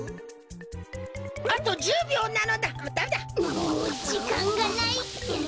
もうじかんがない！